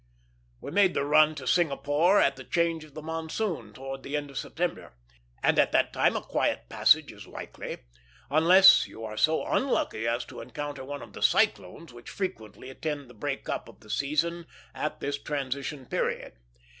We made the run to Singapore at the change of the monsoon, towards the end of September; and at that time a quiet passage is likely, unless you are so unlucky as to encounter one of the cyclones which frequently attend the break up of the season at this transition period.